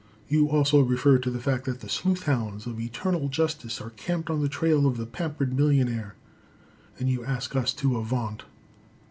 You also refer to the fact that the sleuth hounds of eternal justice are camped on the trail of the pampered millionaire, and you ask us to avaunt.